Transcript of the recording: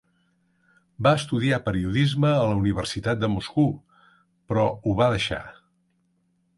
Va estudiar periodisme a la Universitat de Moscou, però ho va deixar.